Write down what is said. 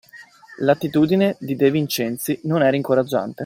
L'attitudine di De Vincenzi non era incoraggiante.